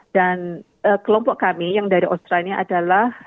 dan kelompok kami yang dari australia adalah